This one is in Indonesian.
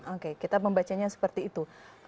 oke kita membacanya seperti itu